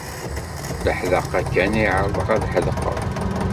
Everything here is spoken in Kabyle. D leḥdaqa kan ay ɛerḍeɣ ad ḥedqeɣ.